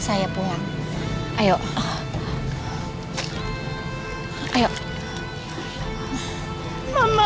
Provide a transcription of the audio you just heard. kayanya kesukaan tote nya